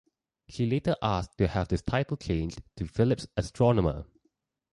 She later asked to have this title changed to Phillips Astronomer.